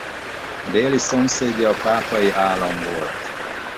Déli szomszédja a Pápai állam volt.